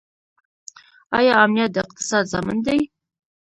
آیا امنیت د اقتصاد ضامن دی؟